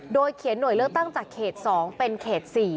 โดยเขียนหน่วยเลือกตั้งจากเขต๒เป็นเขต๔